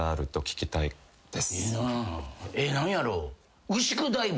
え何やろう？